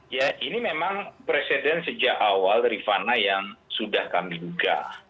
ya ini memang presiden sejak awal rifana yang sudah kami duga